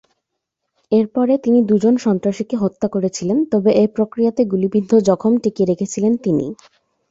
এরপরে তিনি দু'জন সন্ত্রাসীকে হত্যা করেছিলেন তবে এ প্রক্রিয়াতে গুলিবিদ্ধ জখম টিকিয়ে রেখেছিলেন তিনি।